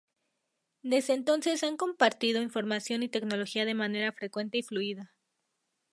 Desde entonces han compartido información y tecnología de manera frecuente y fluida.